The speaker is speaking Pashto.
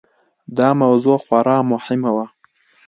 دا موضوع خورا مهمه وه.